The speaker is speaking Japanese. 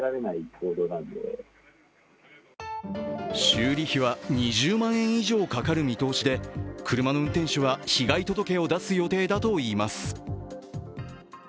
修理費は２０万円以上かかる見通しで、車の運転手は被害届を出す予定だといいます。